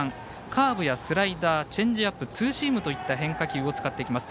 カーブやスライダーチェンジアップツーシームといった変化球を使ってきます。